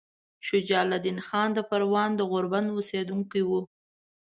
شجاع الدین خان د پروان د غوربند اوسیدونکی وو.